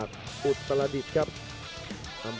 โยกขวางแก้งขวา